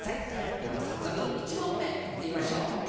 じゃあ早速１問目いってみましょう！